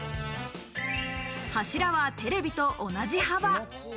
柱はテレビと同じ幅。